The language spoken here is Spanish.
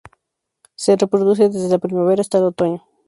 Se reproduce desde la primavera hasta el otoño.